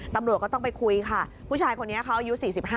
ตำรวจก็ต้องไปคุยค่ะผู้ชายคนนี้เขาอายุ๔๕